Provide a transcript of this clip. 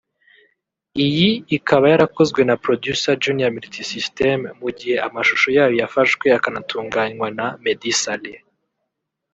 iyi ikaba yarakozwe na Producer Junior Multisystem mu gihe amashusho yayo yafashwe akanatunganywa na Meddy Saleh